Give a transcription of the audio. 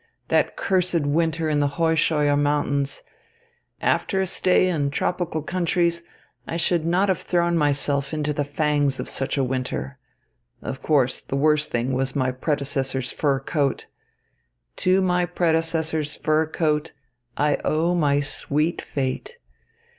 That cursed winter in the Heuscheuer Mountains! After a stay in tropical countries, I should not have thrown myself into the fangs of such a winter. Of course, the worst thing was my predecessor's fur coat. To my predecessor's fur coat I owe my sweet fate.